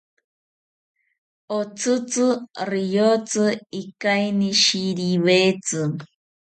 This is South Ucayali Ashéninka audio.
Otzitzi riyotzi ikainishiriwetzi